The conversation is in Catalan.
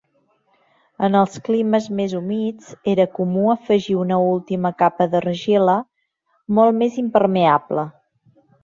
En els climes més humits era comú afegir una última capa d'argila, molt més impermeable.